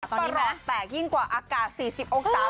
ปละร้อนแตกยิ่งกว่าอากาศสี่สิบองค์ตา